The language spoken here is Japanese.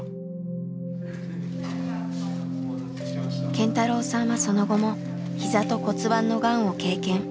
健太朗さんはその後もひざと骨盤のがんを経験。